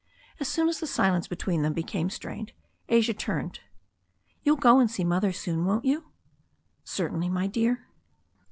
As soon as the silence between them became strained, Asia turned. "You'll go and see Mother soon, won't you?" "Certainly, my dear."